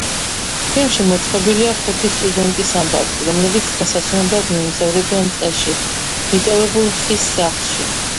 ფილმში მოთხრობილია ხუთი სტუდენტის ამბავი, რომლებიც დასასვენებლად მიემგზავრებიან ტყეში მიტოვებულ ხის სახლში.